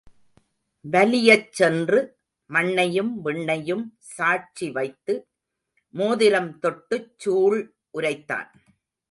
வலியச்சென்று மண்ணையும் விண்ணையும் சாட்சி வைத்து மோதிரம் தொட்டுச் சூள் உரைத்தான்.